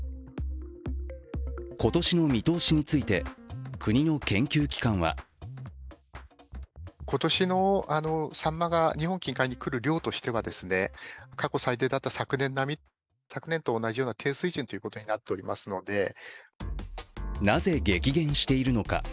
今年の見通しについて国の研究機関はなぜ激減しているのか。